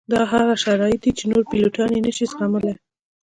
دا هغه شرایط دي چې نور پیلوټان یې نه شي زغملی